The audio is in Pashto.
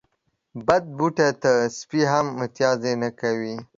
بد بوټي ته سپي هم متازې نه کوی